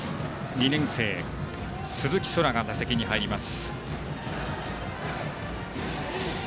２年生、鈴木昊が打席に入ります。